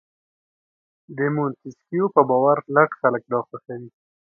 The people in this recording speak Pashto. د مونتیسکیو په باور لټ خلک دا خوښوي.